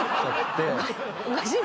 おかしい